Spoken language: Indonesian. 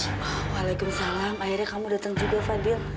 waalaikumsalam akhirnya kamu datang juga fadil